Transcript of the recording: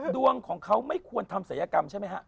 ดวงของเขาไม่ควรทำศัยกรรมใช่ไหมฮะ